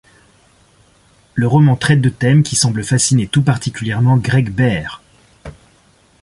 Le roman traite de thèmes qui semblent fasciner tout particulièrement Greg Bear.